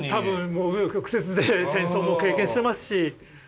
もう紆余曲折で戦争も経験してますし。